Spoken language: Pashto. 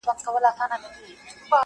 چي یې واورم درد مي هېر سي چي درد من یم،